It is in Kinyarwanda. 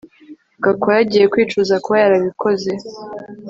Gakwaya agiye kwicuza kuba yarabikoze